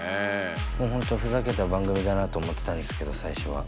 もう本当ふざけた番組だなと思ってたんですけど最初は。